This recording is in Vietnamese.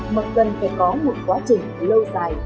mặc gần phải có một quá trình lâu dài